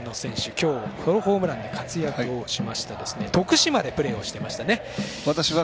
今日、ソロホームランで活躍をしまして徳島でプレーをしていましたね。